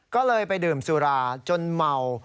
ก็เลยไปดื่มสุราจนเมา